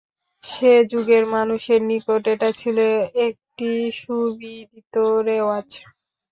সে যুগের মানুষের নিকট এটা ছিল একটি সুবিদিত রেওয়াজ।